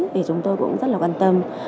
thì chúng tôi cũng rất là quan tâm